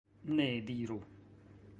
Ne diru!